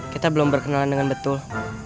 kita belum berkenalan dengan betul